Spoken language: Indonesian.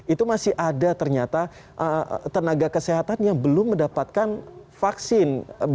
itu masih ada ternyata tenaga kesehatan yang belum mendapatkan vaksin